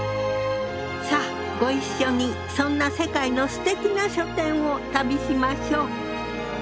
さあご一緒にそんな世界のすてきな書店を旅しましょう。